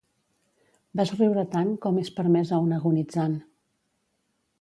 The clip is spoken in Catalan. Vas riure tant com és permès a una agonitzant.